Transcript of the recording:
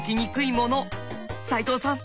齋藤さん